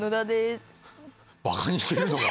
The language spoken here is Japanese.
ばかにしてるのか？